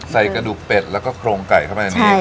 ใส่กระดูกเป็ดแล้วก็โครงไก่เข้าไปอันนี้